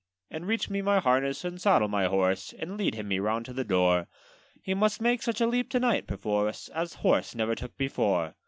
'And reach me my harness, and saddle my horse, And lead him me round to the door: He must take such a leap to night perforce, As horse never took before.